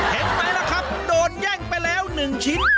เห็นไหมล่ะครับโดนแย่งไปแล้ว๑ชิ้น